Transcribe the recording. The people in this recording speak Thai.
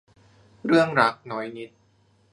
เรื่องรัก น้อยนิด